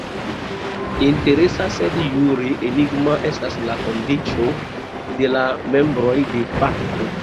Interesa sed jure enigma estas la kondiĉo de la membroj "de facto".